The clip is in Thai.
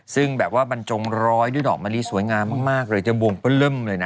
ซึ่งแบบว่าบันจงร้อยด้วยดอกมะรี่สวยงามมากมากเลยจะบวงเปิ้ลเริ่มเลยน่ะ